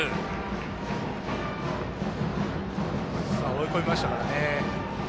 追い込みましたからね。